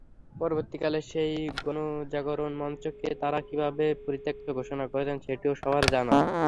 পরবর্তীকালে সেই গণজাগরণ মঞ্চকে তারা কীভাবে পরিত্যক্ত ঘোষণা করেছে, সেটিও সবার জানা।